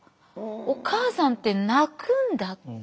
お母さんって泣くんだって。